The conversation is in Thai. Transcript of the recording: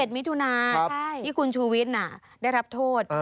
มิถุนาที่คุณชูวิทย์ได้รับโทษ